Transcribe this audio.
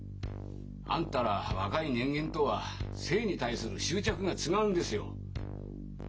あんたら若い人間とは生に対する執着が違うんですよ。